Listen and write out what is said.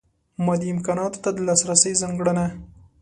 مادي امکاناتو ته د لاسرسۍ ځانګړنه.